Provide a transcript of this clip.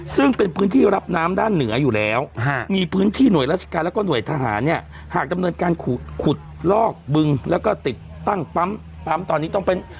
ซึ่งเป็นพื้นที่รับน้ำด้านเหนืออยู่แล้วมีพื้นที่หน่วยราชการแล้วก็หน่วยทหารเนี่ยหากดำเนินการขุดลอกบึงแล้วก็ติดตั้งปั๊มปั๊มตอนนี้ต้องเป็น